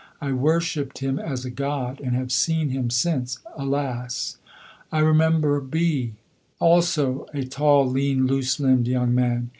I worshipped him as a god, and have seen him since alas! I remember B also, a tall, lean, loose limbed young man.